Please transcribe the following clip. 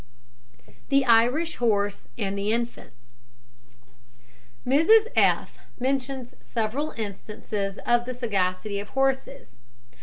THE IRISH HORSE AND THE INFANT. Mrs F mentions several instances of the sagacity of horses.